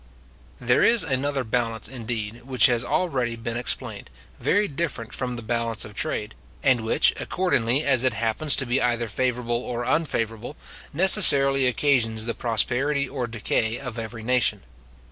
There is another balance, indeed, which has already been explained, very different from the balance of trade, and which, according as it happens to be either favourable or unfavourable, necessarily occasions the prosperity or decay of every nation.